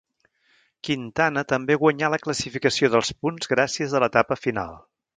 Quintana també guanyà la classificació dels punts gràcies a l'etapa final.